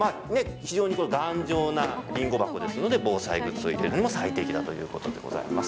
非常に頑丈なりんご箱ですので防災グッズを入れるのにも最適だということでございます。